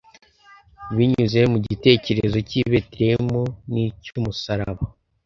Binyuze mu gitekerezo cy’ i Betelehemu n’icy’umusaraba